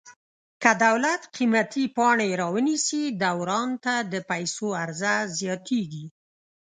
که دولت قیمتي پاڼې را ونیسي دوران ته د پیسو عرضه زیاتیږي.